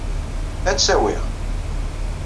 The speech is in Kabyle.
Ad tt-awyeɣ.